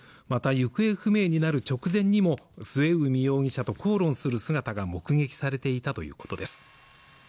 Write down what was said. また行方不明になる直前にも末海容疑者と口論する姿が目撃されていたということです